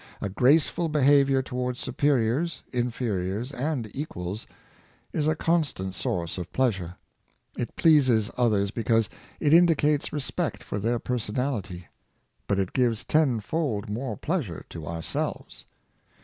A graceful behavior towards superiors, inferiors, and equals, is a constant source of pleasure. It pleases others because it indicates respect for their personality ; but it gives tenfold more pleasure to ourselves.